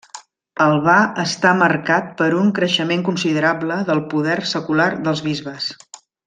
El va estar marcat per un creixement considerable del poder secular dels bisbes.